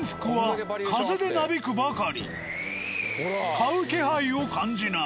買う気配を感じない。